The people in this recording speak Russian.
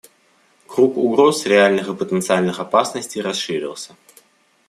Круг угроз, реальных и потенциальных опасностей расширился.